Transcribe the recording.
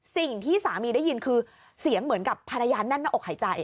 สิ่งที่สามีได้ยินคือเสียงเหมือนกับภรรยาแน่นหน้าอกหายใจ